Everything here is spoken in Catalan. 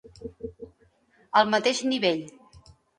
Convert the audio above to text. Al mateix nivell.